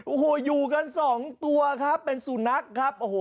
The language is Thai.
โอ้โหอยู่กันสองตัวครับเป็นสุนัขครับโอ้โห